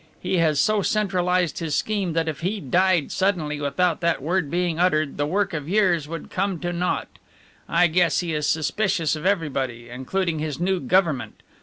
He has so centralized his scheme that if he died suddenly without that word being uttered, the work of years would come to naught. I guess he is suspicious of everybody, including his new Government.